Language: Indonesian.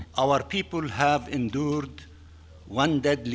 pemimpin kita telah bertahan selama satu tahun yang mati